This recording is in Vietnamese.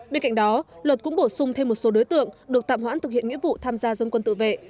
bên cạnh đó luật cũng bổ sung thêm một số đối tượng được tạm hoãn thực hiện nghĩa vụ tham gia dân quân tự vệ